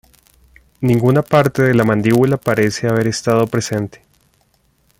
Ninguna parte de la mandíbula parece haber estado presente.